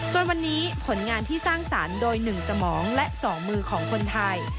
จนวันนี้ผลงานที่สร้างสรรค์โดย๑สมองและ๒มือของคนไทย